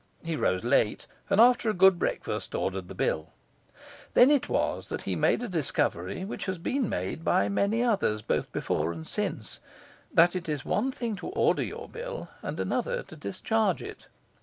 He rose late, and, after a good breakfast, ordered the bill. Then it was that he made a discovery which has been made by many others, both before and since: that it is one thing to order your bill, and another to discharge it.